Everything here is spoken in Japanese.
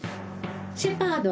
シェパード。